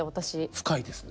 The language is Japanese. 深いですね。